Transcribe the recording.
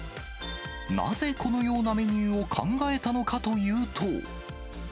なぜこのようなメニューを考えたのかというと。